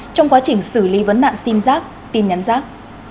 trong quá trình xử lý vấn đạn sim giác tin nhắn giác